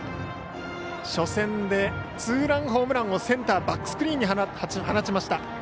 初戦でツーランホームランをセンターバックスクリーンに放ちました。